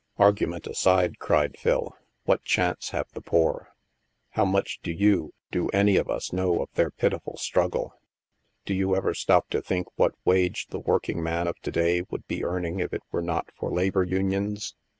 Argument aside," cried Phil, " what chance have the poor? How much do you, do any of us, know of their pitiful struggle? Do you ever stop to think what wage the working man of to day would be earning if it were not for labor unions?